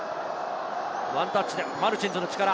ワンタッチでマルチンズの力。